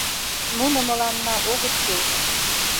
Нуно мыланна огыт кӱл.